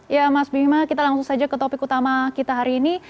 ya mas bima kita langsung saja ke topik utama kita hari ini